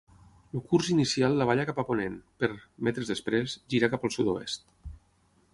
El curs inicial davalla cap a ponent per, metres després, girar cap al sud-oest.